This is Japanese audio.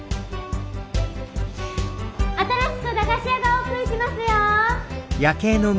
新しく駄菓子屋がオープンしますよ！